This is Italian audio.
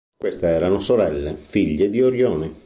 Queste erano sorelle, figlie di Orione.